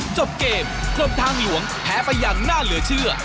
จบเกมกรมทางหลวงแพ้ไปอย่างน่าเหลือเชื่อ